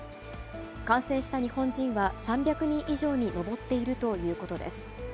感染した日本人は３００人以上に上っているということです。